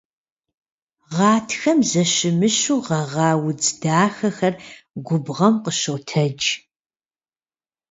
Гъатхэм зэщымыщу гъэгъа удз дахэхэр губгъуэм къыщотэдж.